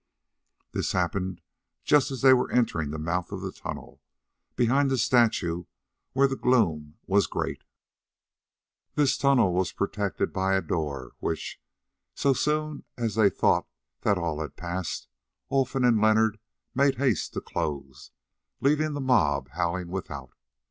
This happened just as they were entering the mouth of the tunnel, behind the statue where the gloom was great. This tunnel was protected by a door, which, so soon as they thought that all had passed, Olfan and Leonard made haste to close, leaving the mob howling without.